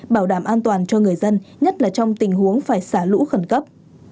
bảo đảm an toàn cho người dân nhất là trong tình huống phải xả lũ khẩn cấp